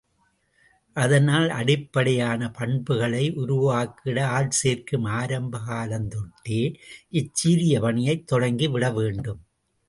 அதனால், அடிப்படையான பண்புகளை உருவாக்கிட, ஆள் சேர்க்கும் ஆரம்ப காலந்தொட்டே, இச்சீரிய பணியைத் தொடங்கிவிட வேண்டும்.